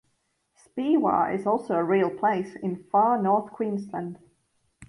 Speewah is also a real place in Far North Queensland.